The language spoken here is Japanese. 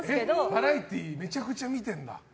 バラエティーめちゃくちゃ見てるんだ。